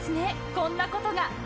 こんなことが！